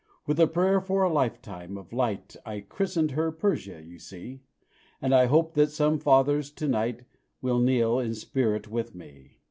With a prayer for a lifetime of light, I christened her Persia, you see; And I hope that some fathers to night Will kneel in the spirit with me.